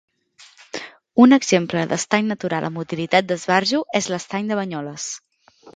Un exemple d'estany natural amb utilitat d'esbarjo és l'Estany de Banyoles.